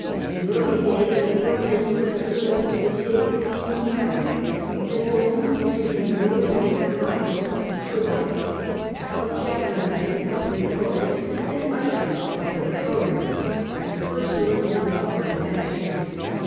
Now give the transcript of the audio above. In early days the permanent civil servants of the state f. The were few in number. At . Rome we read of notaries or accountants (scribae), of javelin c^acy men (lictores), and ushers (apparitores) in personal attendance on the magistrates.